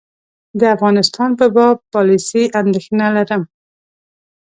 د افغانستان په باب پالیسي اندېښنه لرم.